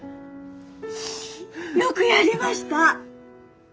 よくやりました！